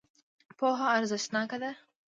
پوهه ارزښتناکه ده.